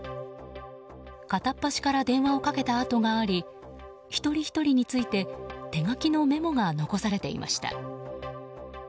片っ端から電話をかけた跡があり一人ひとりについて手書きのメモが残されていました。